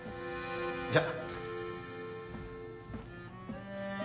じゃあ。